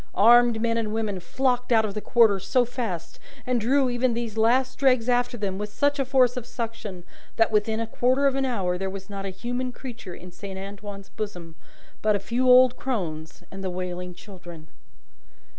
Armed men and women flocked out of the Quarter so fast, and drew even these last dregs after them with such a force of suction, that within a quarter of an hour there was not a human creature in Saint Antoine's bosom but a few old crones and the wailing children.